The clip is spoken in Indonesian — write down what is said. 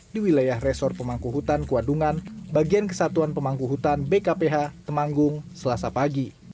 di wilayah resor pemangku hutan kuadungan bagian kesatuan pemangku hutan bkph temanggung selasa pagi